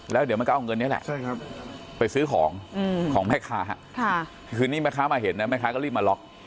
แล้วเดี๋ยวมันก็เอาเงินนี้แหละไปซื้อของของแม่ค้าคือนี่แม่ค้ามาเห็นนะแม่ค้าก็รีบมาล็อก